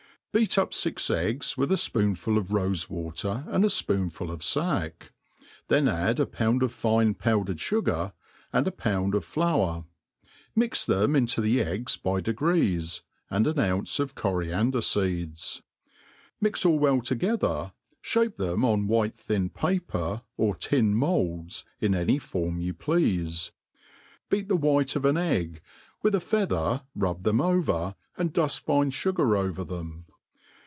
BEAT up fix eggs, with a fpoonful of rofe water and a fpoonful of fack ; then add a pound of fine powdered fugar, and a pound of <flour ; mix them into the eggs by degrees,' and an ounce of coriander feeds ; mix all well together, &ape them ©n white thin paper, or tin moulds, in any form you pleafe. Beat the white of an egg, with a feather rub them over, and duft fine fugar over them.